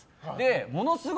ものすごい